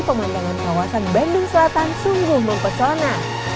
pemandangan kawasan bandung selatan sungguh mempesona